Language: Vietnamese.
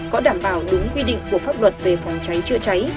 có đảm bảo đúng quy định của pháp luật về phòng cháy chữa cháy